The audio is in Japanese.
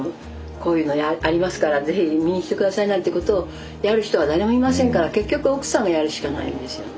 こういうのありますから是非見に来て下さいなんてことをやる人は誰もいませんから結局奥さんがやるしかないんですよ。